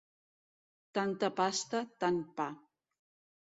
Tanta pasta, tant pa.